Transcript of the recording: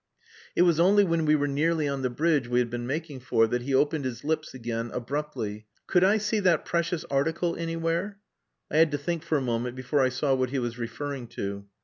It was only when we were nearly on the bridge we had been making for that he opened his lips again, abruptly "Could I see that precious article anywhere?" I had to think for a moment before I saw what he was referring to.